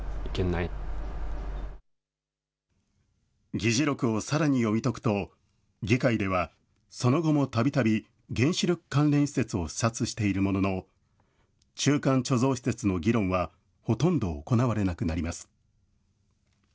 議事録をさらに読み解くと、議会ではその後もたびたび原子力関連施設を視察しているものの、中間貯蔵施設の議論はほとんど行われなくなります。